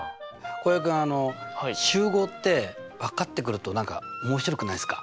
浩平君集合って分かってくると何か面白くないですか？